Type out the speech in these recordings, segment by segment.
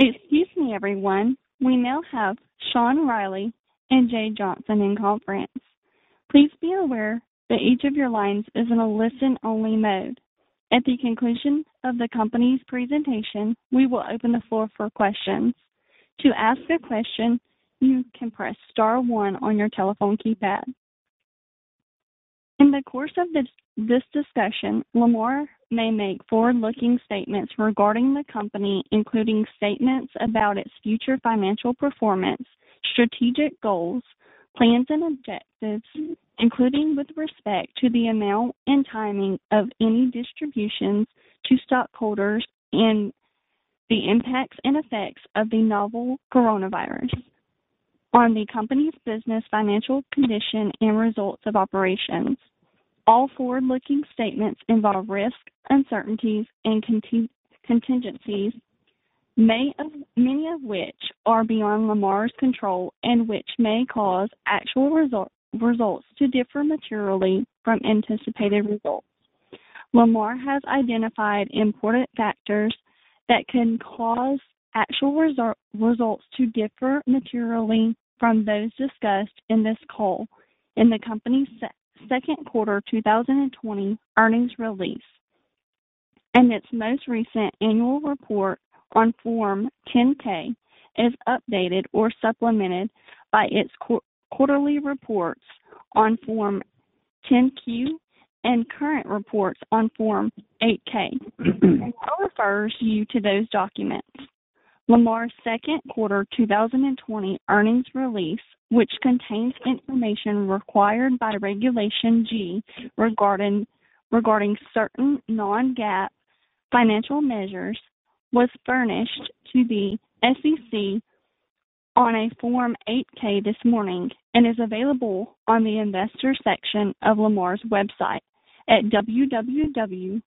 Excuse me, everyone. We now have Sean Reilly and Jay Johnson in conference. Please be aware that each of your lines is in a listen-only mode. At the conclusion of the company's presentation, we will open the floor for questions. To ask a question, you can press star one on your telephone keypad. In the course of this discussion, Lamar may make forward-looking statements regarding the company, including statements about its future financial performance, strategic goals, plans, and objectives, including with respect to the amount and timing of any distributions to stockholders and the impacts and effects of the novel coronavirus on the company's business financial condition and results of operations. All forward-looking statements involve risks, uncertainties, and contingencies, many of which are beyond Lamar's control and which may cause actual results to differ materially from anticipated results. Lamar has identified important factors that can cause actual results to differ materially from those discussed in this call in the company's second quarter 2020 earnings release and its most recent annual report on Form 10-K, as updated or supplemented by its quarterly reports on Form 10-Q and current reports on Form 8-K. It refers you to those documents. Lamar's second quarter 2020 earnings release, which contains information required by Regulation G regarding certain non-GAAP financial measures, was furnished to the SEC on a Form 8-K this morning and is available on the investor section of Lamar's website at www.lamar.com.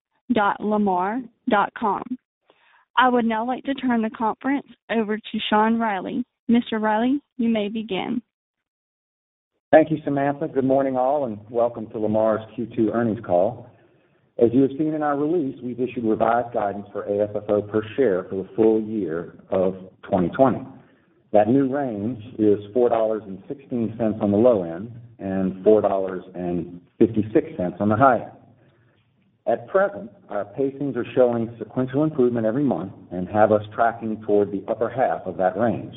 I would now like to turn the conference over to Sean Reilly. Mr. Reilly, you may begin. Thank you, Samantha. Good morning, all, and welcome to Lamar's Q2 earnings call. As you have seen in our release, we've issued revised guidance for AFFO per share for the full year of 2020. That new range is $4.16 on the low end and $4.56 on the high end. At present, our pacings are showing sequential improvement every month and have us tracking toward the upper half of that range.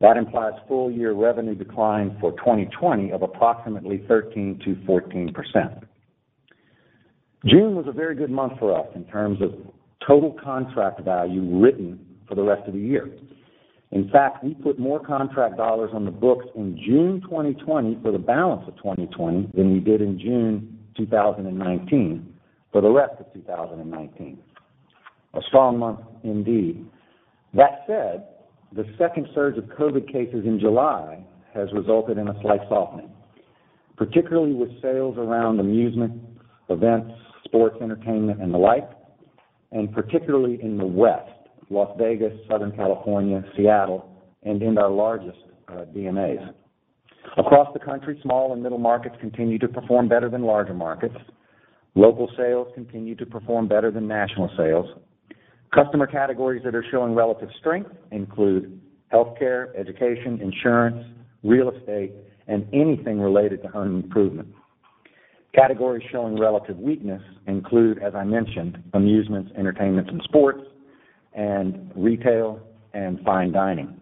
That implies full year revenue decline for 2020 of approximately 13%-14%. June was a very good month for us in terms of total contract value written for the rest of the year. In fact, we put more contract dollars on the books in June 2020 for the balance of 2020 than we did in June 2019 for the rest of 2019. A strong month indeed. That said, the second surge of COVID cases in July has resulted in a slight softening, particularly with sales around amusement, events, sports, entertainment, and the like, and particularly in the West, Las Vegas, Southern California, Seattle, and in our largest DMAs. Across the country, small and middle markets continue to perform better than larger markets. Local sales continue to perform better than national sales. Customer categories that are showing relative strength include healthcare, education, insurance, real estate, and anything related to home improvement. Categories showing relative weakness include, as I mentioned, amusements, entertainment and sports, and retail and fine dining.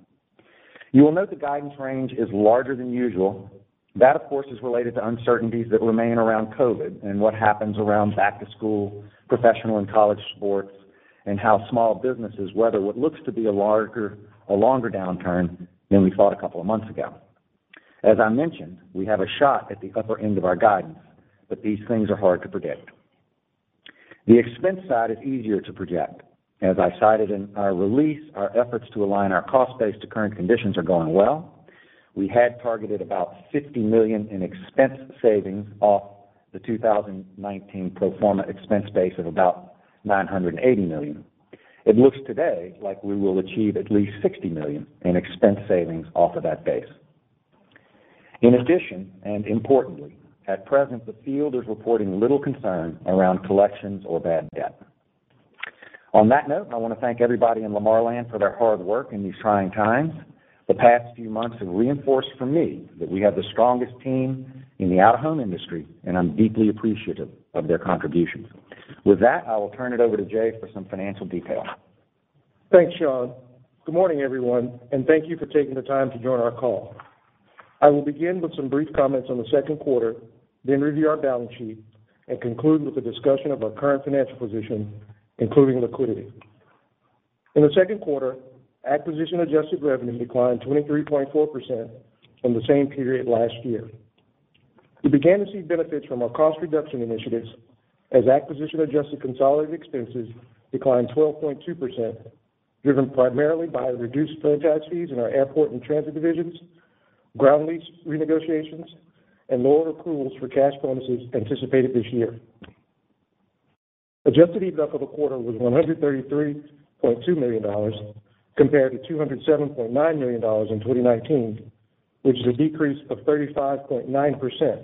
You will note the guidance range is larger than usual. That, of course, is related to uncertainties that remain around COVID and what happens around back to school, professional and college sports, and how small businesses weather what looks to be a longer downturn than we thought a couple of months ago. As I mentioned, we have a shot at the upper end of our guidance, but these things are hard to predict. The expense side is easier to project. As I cited in our release, our efforts to align our cost base to current conditions are going well. We had targeted about $50 million in expense savings off the 2019 pro forma expense base of about $980 million. It looks today like we will achieve at least $60 million in expense savings off of that base. Importantly, at present, the field is reporting little concern around collections or bad debt. On that note, I want to thank everybody in Lamar Land for their hard work in these trying times. The past few months have reinforced for me that we have the strongest team in the out-of-home industry, and I'm deeply appreciative of their contributions. With that, I will turn it over to Jay for some financial detail. Thanks, Sean. Good morning, everyone. Thank you for taking the time to join our call. I will begin with some brief comments on the second quarter, then review our balance sheet, and conclude with a discussion of our current financial position, including liquidity. In the second quarter, acquisition-adjusted revenue declined 23.4% from the same period last year. We began to see benefits from our cost reduction initiatives as acquisition-adjusted consolidated expenses declined 12.2%, driven primarily by reduced franchise fees in our airport and transit divisions, ground lease renegotiations, and lower accruals for cash bonuses anticipated this year. Adjusted EBITDA for the quarter was $133.2 million compared to $207.9 million in 2019, which is a decrease of 35.9%.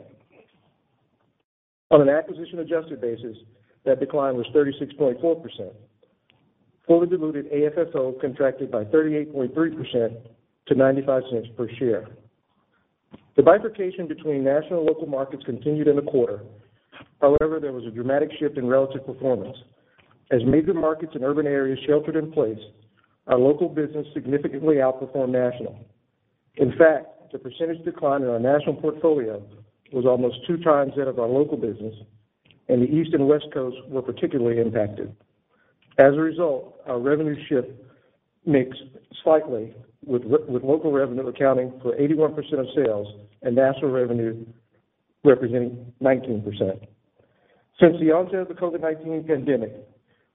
On an acquisition-adjusted basis, that decline was 36.4%. Fully diluted AFFO contracted by 38.3% to $0.95 per share. The bifurcation between national and local markets continued in the quarter. However, there was a dramatic shift in relative performance. As major markets in urban areas sheltered in place, our local business significantly outperformed national. In fact, the percentage decline in our national portfolio was almost two times that of our local business, and the East and West Coasts were particularly impacted. As a result, our revenue shift mixed slightly with local revenue accounting for 81% of sales and national revenue representing 19%. Since the onset of the COVID-19 pandemic,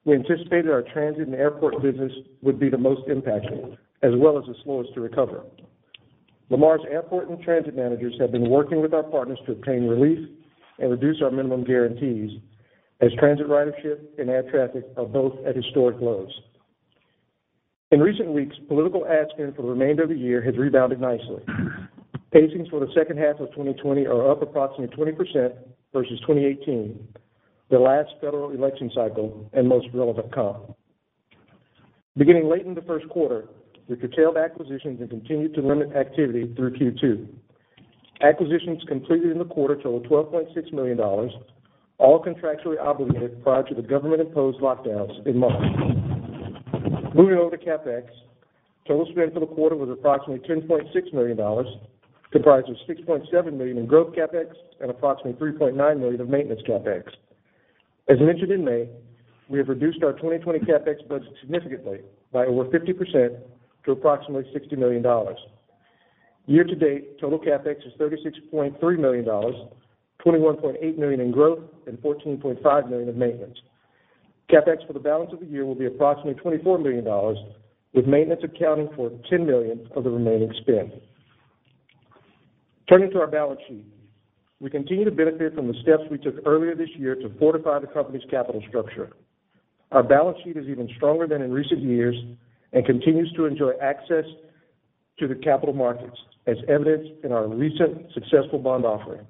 we anticipated our transit and airport business would be the most impacted, as well as the slowest to recover. Lamar's airport and transit managers have been working with our partners to obtain relief and reduce our minimum guarantees as transit ridership and air traffic are both at historic lows. In recent weeks, political ad spend for the remainder of the year has rebounded nicely. Pacings for the second half of 2020 are up approximately 20% versus 2018, the last federal election cycle and most relevant comp. Beginning late in the first quarter, we curtailed acquisitions and continued to limit activity through Q2. Acquisitions completed in the quarter totaled $12.6 million, all contractually obligated prior to the government-imposed lockdowns in March. Moving over to CapEx, total spend for the quarter was approximately $10.6 million, comprised of $6.7 million in growth CapEx and approximately $3.9 million of maintenance CapEx. As mentioned in May, we have reduced our 2020 CapEx budget significantly by over 50% to approximately $60 million. Year-to-date total CapEx is $36.3 million, $21.8 million in growth, and $14.5 million in maintenance. CapEx for the balance of the year will be approximately $24 million, with maintenance accounting for $10 million of the remaining spend. Turning to our balance sheet. We continue to benefit from the steps we took earlier this year to fortify the company's capital structure. Our balance sheet is even stronger than in recent years and continues to enjoy access to the capital markets, as evidenced in our recent successful bond offering.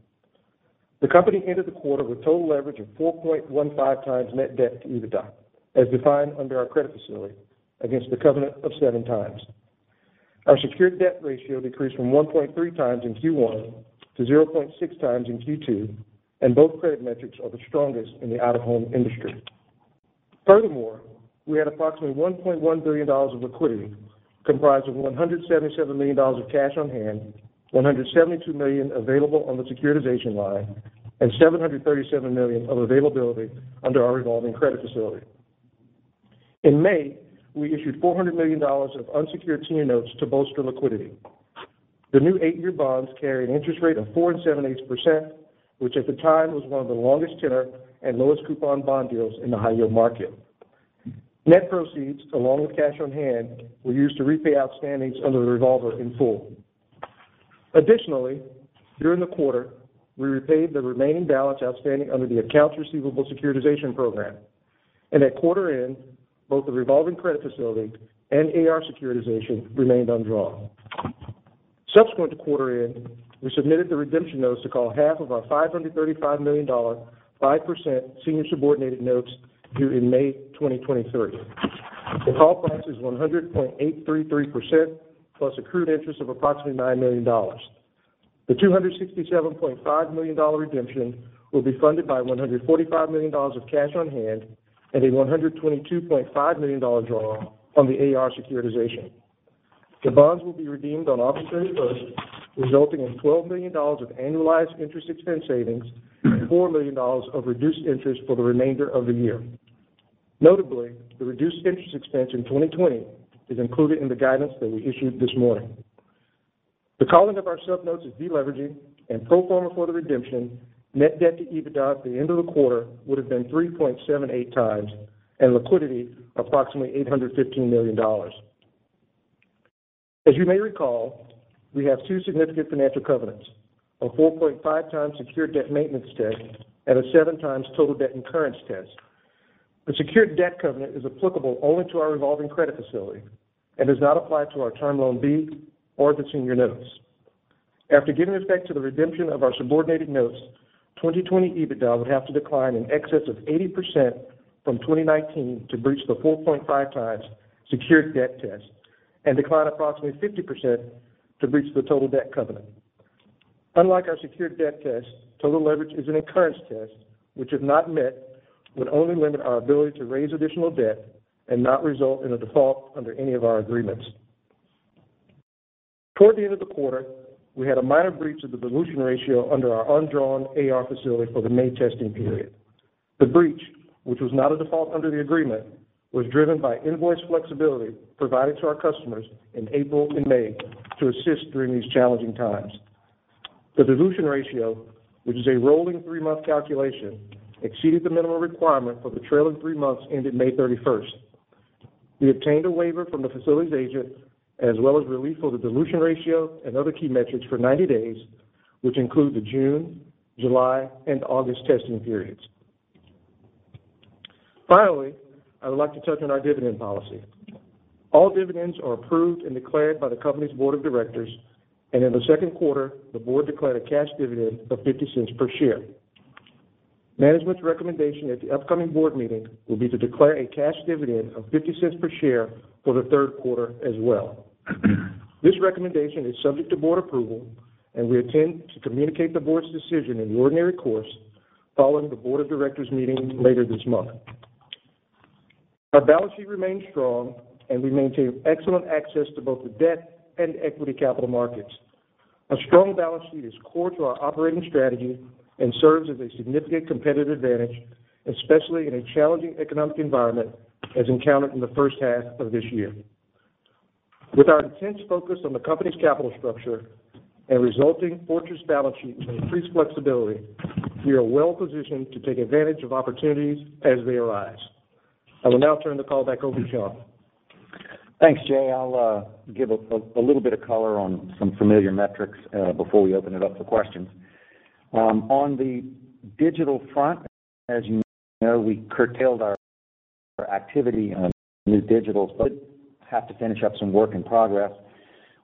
The company ended the quarter with total leverage of 4.15 times net debt to EBITDA, as defined under our credit facility, against the covenant of seven times. Our secured debt ratio decreased from 1.3 times in Q1 to 0.6 times in Q2, both credit metrics are the strongest in the out-of-home industry. Furthermore, we had approximately $1.1 billion of liquidity, comprised of $177 million of cash on hand, $172 million available on the securitization line, and $737 million of availability under our revolving credit facility. In May, we issued $400 million of unsecured senior notes to bolster liquidity. The new eight-year bonds carry an interest rate of 4.78%, which at the time was one of the longest tenor and lowest coupon bond deals in the high-yield market. Net proceeds, along with cash on hand, were used to repay outstandings under the revolver in full. Additionally, during the quarter, we repaid the remaining balance outstanding under the accounts receivable securitization program. At quarter end, both the revolving credit facility and AR securitization remained undrawn. Subsequent to quarter end, we submitted the redemption notes to call half of our $535 million 5% senior subordinated notes due in May 2023. The call price is 100.833%, plus accrued interest of approximately $9 million. The $267.5 million redemption will be funded by $145 million of cash on hand and a $122.5 million draw on the AR securitization. The bonds will be redeemed on August 31st, resulting in $12 million of annualized interest expense savings and $4 million of reduced interest for the remainder of the year. Notably, the reduced interest expense in 2020 is included in the guidance that we issued this morning. The calling of our sub notes is de-leveraging and pro forma for the redemption, net debt to EBITDA at the end of the quarter would have been 3.78 times and liquidity approximately $815 million. As you may recall, we have two significant financial covenants, a 4.5 times secured debt maintenance test and a seven times total debt incurrence test. The secured debt covenant is applicable only to our revolving credit facility and does not apply to our Term Loan B or the senior notes. After giving effect to the redemption of our subordinated notes, 2020 EBITDA would have to decline in excess of 80% from 2019 to breach the 4.5 times secured debt test and decline approximately 50% to breach the total debt covenant. Unlike our secured debt test, total leverage is an incurrence test, which if not met, would only limit our ability to raise additional debt and not result in a default under any of our agreements. Toward the end of the quarter, we had a minor breach of the dilution ratio under our undrawn AR facility for the May testing period. The breach, which was not a default under the agreement, was driven by invoice flexibility provided to our customers in April and May to assist during these challenging times. The dilution ratio, which is a rolling three-month calculation, exceeded the minimum requirement for the trailing three months ended May 31st. We obtained a waiver from the facility's agent as well as relief for the dilution ratio and other key metrics for 90 days, which include the June, July, and August testing periods. Finally, I would like to touch on our dividend policy. All dividends are approved and declared by the company's board of directors, and in the second quarter, the board declared a cash dividend of $0.50 per share. Management's recommendation at the upcoming board meeting will be to declare a cash dividend of $0.50 per share for the third quarter as well. This recommendation is subject to board approval, and we intend to communicate the board's decision in the ordinary course following the board of directors meeting later this month. Our balance sheet remains strong, and we maintain excellent access to both the debt and equity capital markets. A strong balance sheet is core to our operating strategy and serves as a significant competitive advantage, especially in a challenging economic environment as encountered in the first half of this year. With our intense focus on the company's capital structure and resulting fortress balance sheet and increased flexibility, we are well-positioned to take advantage of opportunities as they arise. I will now turn the call back over to John. Thanks, Jay. I'll give a little bit of color on some familiar metrics before we open it up for questions. On the digital front, as you know, we curtailed our activity on new digital, but have to finish up some work in progress.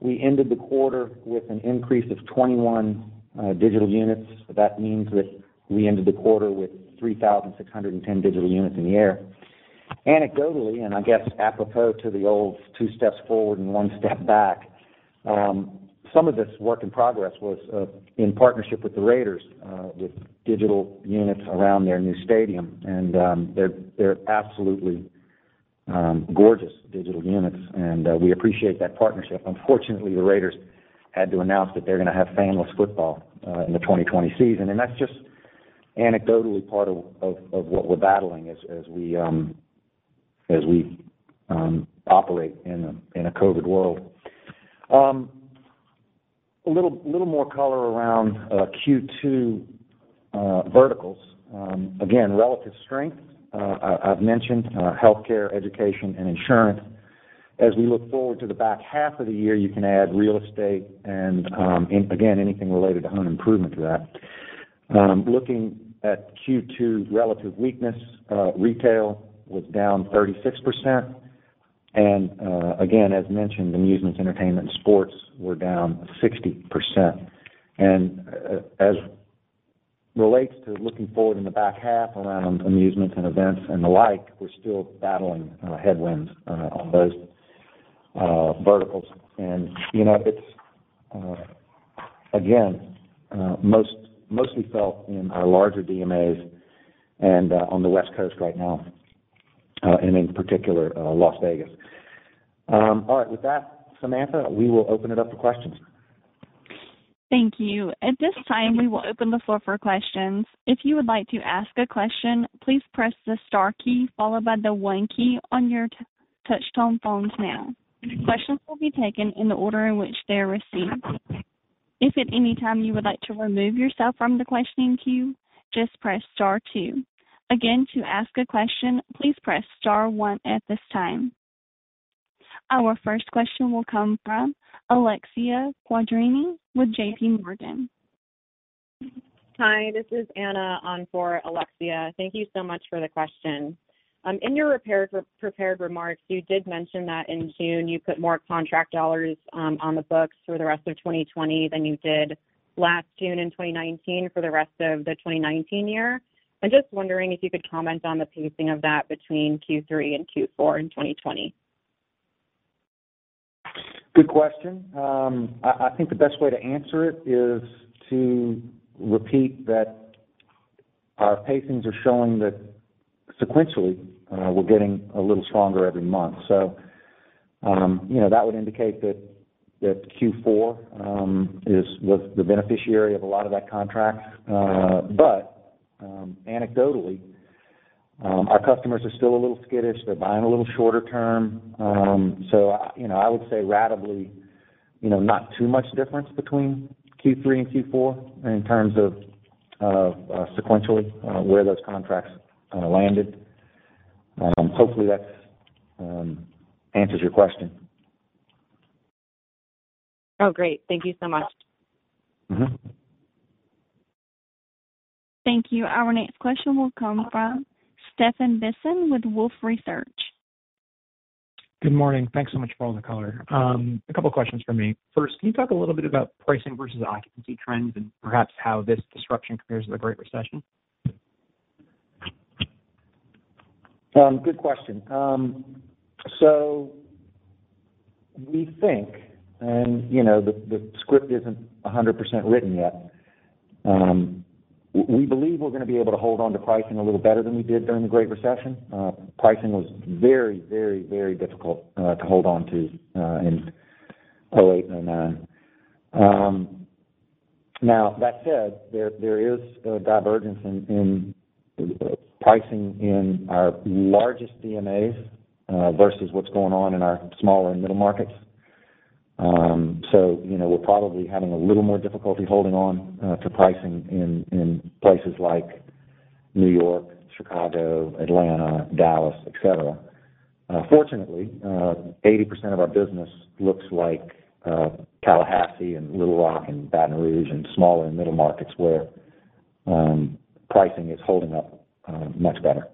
We ended the quarter with an increase of 21 digital units. That means that we ended the quarter with 3,610 digital units in the air. Anecdotally, and I guess apropos to the old two steps forward and one step back, some of this work in progress was in partnership with the Raiders, with digital units around their new stadium, and they're absolutely gorgeous digital units, and we appreciate that partnership. Unfortunately, the Raiders had to announce that they're going to have fan-less football in the 2020 season, and that's just anecdotally part of what we're battling as we operate in a COVID world. A little more color around Q2 verticals. Again, relative strength. I've mentioned healthcare, education, and insurance. As we look forward to the back half of the year, you can add real estate and, again, anything related to home improvement to that. Looking at Q2 relative weakness, retail was down 36%, and again, as mentioned, amusements, entertainment, and sports were down 60%. As relates to looking forward in the back half around amusements and events and the like, we're still battling headwinds on those verticals. And it's, again, mostly felt in our larger DMAs and on the West Coast right now, and in particular, Las Vegas. All right. With that, Samantha, we will open it up to questions. Thank you. At this time, we will open the floor for questions. If you would like to ask a question, please press the star key followed by the 1 key on your touchtone phones now. Questions will be taken in the order in which they are received. If at any time you would like to remove yourself from the questioning queue, just press star 2. Again, to ask a question, please press star 1 at this time. Our first question will come from Alexia Quadrani with J.P. Morgan. Hi, this is Anna on for Alexia. Thank you so much for the question. In your prepared remarks, you did mention that in June you put more contract dollars on the books for the rest of 2020 than you did last June in 2019 for the rest of the 2019 year. I'm just wondering if you could comment on the pacing of that between Q3 and Q4 in 2020. Good question. I think the best way to answer it is to repeat that our pacings are showing that sequentially, we're getting a little stronger every month. That would indicate that Q4 was the beneficiary of a lot of that contract. Anecdotally, our customers are still a little skittish. They're buying a little shorter term. I would say ratably, not too much difference between Q3 and Q4 in terms of sequentially where those contracts landed. Hopefully, that answers your question. Oh, great. Thank you so much. Thank you. Our next question will come from Stephan Bisson with Wolfe Research. Good morning. Thanks so much for all the color. A couple of questions from me. First, can you talk a little bit about pricing versus occupancy trends and perhaps how this disruption compares to the Great Recession? Good question. We think, and the script isn't 100% written yet, we believe we're going to be able to hold on to pricing a little better than we did during the Great Recession. Pricing was very difficult to hold on to in 2008 and 2009. That said, there is a divergence in pricing in our largest DMAs versus what's going on in our smaller and middle markets. We're probably having a little more difficulty holding on to pricing in places like New York, Chicago, Atlanta, Dallas, et cetera. Fortunately, 80% of our business looks like Tallahassee and Little Rock and Baton Rouge and smaller middle markets where pricing is holding up much better.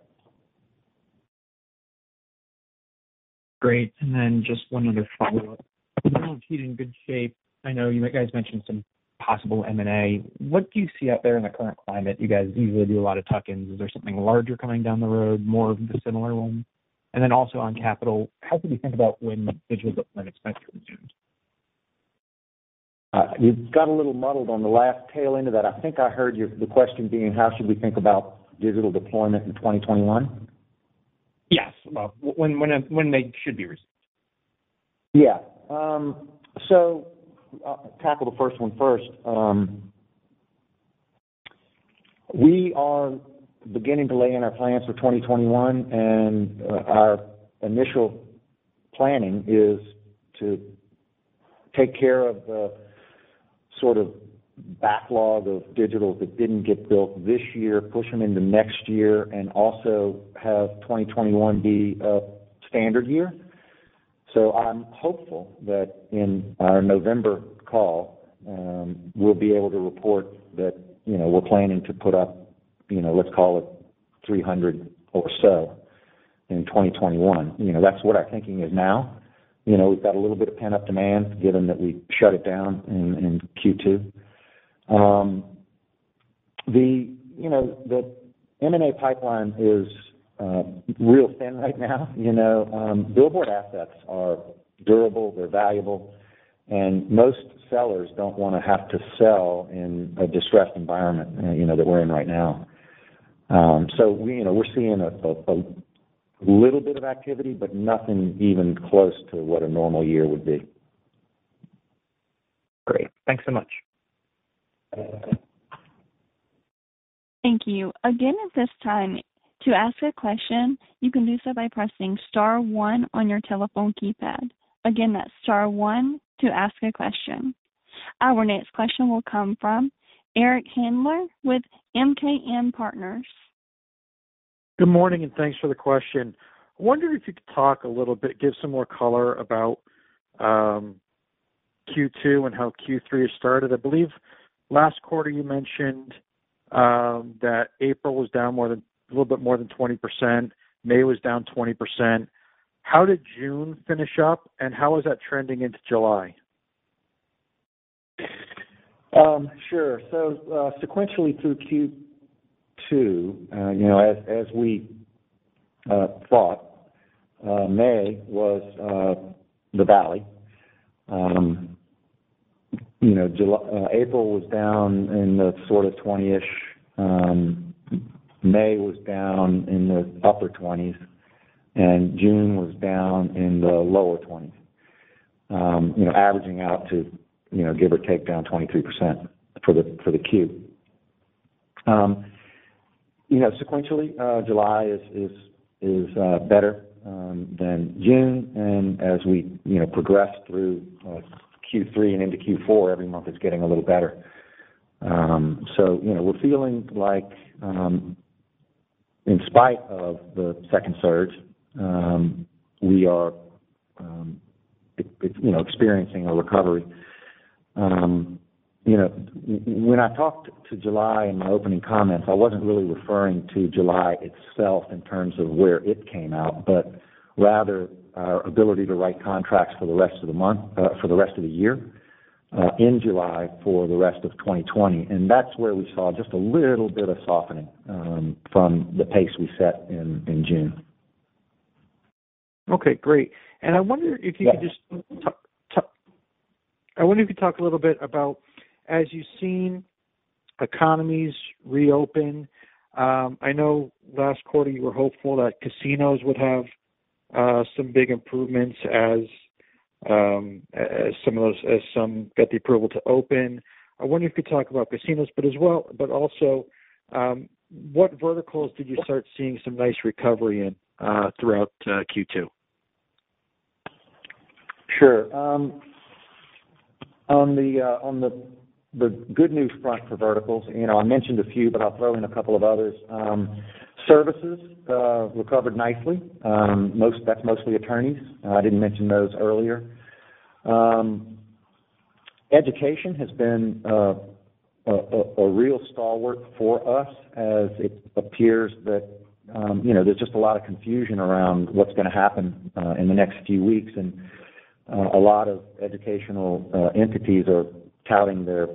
Great. Just one other follow-up. You all seem in good shape. I know you guys mentioned some possible M&A. What do you see out there in the current climate? You guys usually do a lot of tuck-ins. Is there something larger coming down the road, more of the similar one? Also on capital, how could we think about when digital deployment expenses resumed? You've got a little muddled on the last tail end of that. I think I heard the question being how should we think about digital deployment in 2021? Yes. When they should be resumed. Yeah. Tackle the first one first. We are beginning to lay in our plans for 2021, and our initial planning is to take care of the sort of backlog of digital that didn't get built this year, push them into next year and also have 2021 be a standard year. I'm hopeful that in our November call, we'll be able to report that we're planning to put up, let's call it 300 or so in 2021. That's what our thinking is now. We've got a little bit of pent-up demand given that we shut it down in Q2. The M&A pipeline is real thin right now. Billboard assets are durable, they're valuable, and most sellers don't want to have to sell in a distressed environment that we're in right now. We're seeing a little bit of activity, but nothing even close to what a normal year would be. Great. Thanks so much. Thank you. Again, at this time, to ask a question, you can do so by pressing star one on your telephone keypad. Again, that's star one to ask a question. Our next question will come from Eric Handler with MKM Partners. Good morning. Thanks for the question. I wonder if you could talk a little bit, give some more color about Q2 and how Q3 has started. I believe last quarter you mentioned that April was a little bit more than 20%, May was down 20%. How did June finish up, and how is that trending into July? Sure. Sequentially through Q2, as we thought, May was the valley. April was down in the sort of 20-ish, May was down in the upper 20s, and June was down in the lower 20s. Averaging out to give or take down 23% for the Q. Sequentially, July is better than June, and as we progress through Q3 and into Q4, every month it's getting a little better. We're feeling like in spite of the second surge, we are experiencing a recovery. When I talked to July in my opening comments, I wasn't really referring to July itself in terms of where it came out, but rather our ability to write contracts for the rest of the year, in July for the rest of 2020. That's where we saw just a little bit of softening from the pace we set in June. Okay, great. I wonder if you could talk a little bit about as you've seen economies reopen, I know last quarter you were hopeful that casinos would have some big improvements as some got the approval to open. I wonder if you talk about casinos, but also, what verticals did you start seeing some nice recovery in throughout Q2? Sure. On the good news front for verticals, I mentioned a few. I'll throw in a couple of others. Services recovered nicely. That's mostly attorneys. I didn't mention those earlier. Education has been a real stalwart for us as it appears that there's just a lot of confusion around what's going to happen in the next few weeks. A lot of educational entities are touting their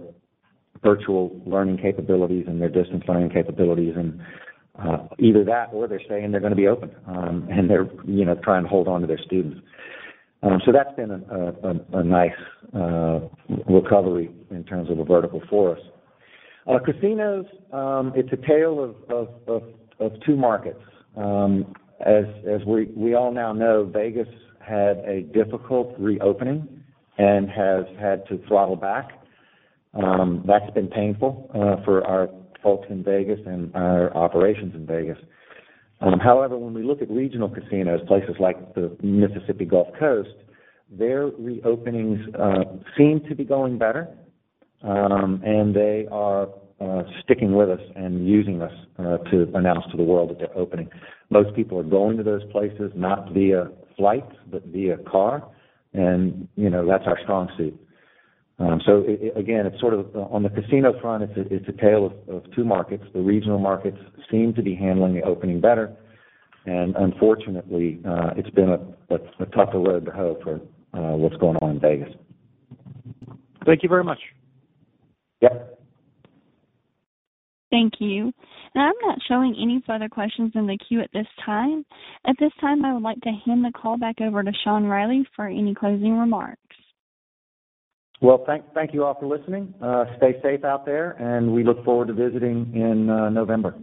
virtual learning capabilities and their distance learning capabilities, and either that or they're saying they're going to be open, and they're trying to hold on to their students. That's been a nice recovery in terms of a vertical for us. Casinos, it's a tale of two markets. As we all now know, Vegas had a difficult reopening and has had to throttle back. That's been painful for our folks in Vegas and our operations in Vegas. However, when we look at regional casinos, places like the Mississippi Gulf Coast, their reopenings seem to be going better. They are sticking with us and using us to announce to the world that they're opening. Most people are going to those places, not via flights, but via car. That's our strong suit. Again, on the casino front, it's a tale of two markets. The regional markets seem to be handling the opening better. Unfortunately, it's been a tougher road to hoe for what's going on in Vegas. Thank you very much. Yep. Thank you. I'm not showing any further questions in the queue at this time. At this time, I would like to hand the call back over to Sean Reilly for any closing remarks. Well, thank you all for listening. Stay safe out there, and we look forward to visiting in November.